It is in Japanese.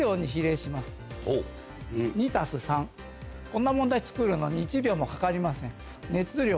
２＋３こんな問題作るのに１秒もかかりません。